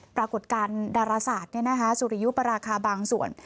ปรากฏการณ์ดาราศาสตร์สุริยุปราคาบางส่วน